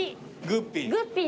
グッピー。